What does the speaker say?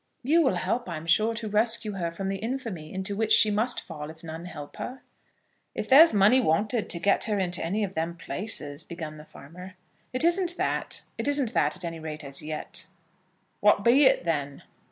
"You will help, I'm sure, to rescue her from the infamy into which she must fall if none help her?" "If there's money wanted to get her into any of them places ," begun the farmer. "It isn't that; it isn't that, at any rate, as yet." "What be it, then?"